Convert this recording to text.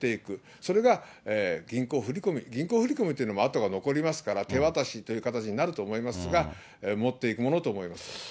それが銀行振り込み、銀行振り込みというのも跡が残りますから、手渡しという形になると思いますが、持っていくものと思います。